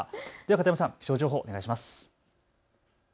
では片山さん、気象情報、お願いします。